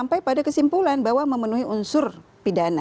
sampai pada kesimpulan bahwa memenuhi unsur pidana